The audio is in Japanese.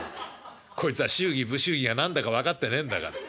こいつは祝儀不祝儀が何だか分かってねえんだから。